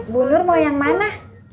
bu nur mau yang mana